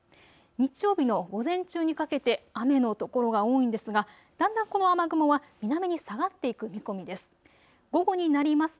日曜日の午前中にかけて雨の所が多いですがだんだんこの雨雲は南に下がっていく見込みです。